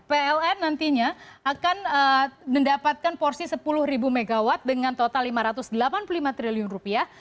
pln nantinya akan mendapatkan porsi sepuluh mw dengan total lima ratus delapan puluh lima triliun rupiah